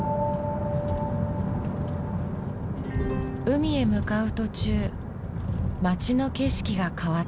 海へ向かう途中街の景色が変わった。